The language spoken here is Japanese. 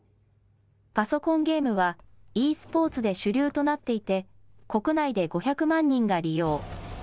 パソコンゲームはｅスポーツで主流となっていて国内で５００万人が利用。